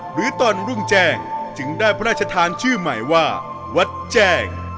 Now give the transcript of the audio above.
หรือตอนรุ่งแจ้งจึงได้พระราชทานชื่อใหม่ว่าวัดแจ้ง